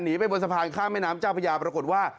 หนีไปบนสะพานข้ามแม่น้ำเจ้าพระยาปรากฏว่า